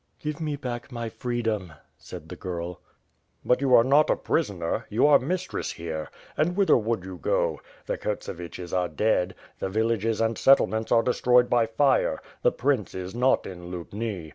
"Give me back my freedom,'' said the girl. "But you are not a prisoner? You are mistress here. And whither would you go? The Kurtseviches are dead; the vill ages and settlements are destroyed by fire; the prince is not in Luhni.